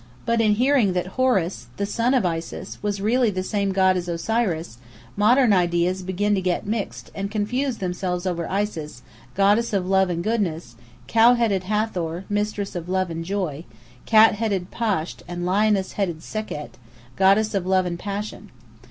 But in hearing that Horus, the son of Isis, was really the same god as Osiris, modern ideas begin to get mixed, and confuse themselves over Isis, goddess of love and goodness, cow headed Hathor, mistress of love and joy, cat headed Pasht and lioness headed Sekhet, goddesses of love and passion.